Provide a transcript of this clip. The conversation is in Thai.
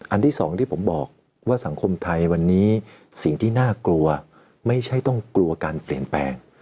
ที่สองที่ผมบอกว่าสังคมไทยวันนี้สิ่งที่น่ากลัวไม่ใช่ต้องกลัวการเปลี่ยนแปลง